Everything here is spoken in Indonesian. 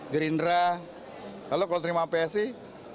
gerindra lalu kalau terima psi masalah